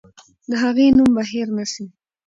د هغې نوم به هېر نه سي.